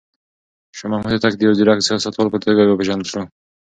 شاه محمود هوتک د يو ځيرک سياستوال په توګه وپېژندل شو.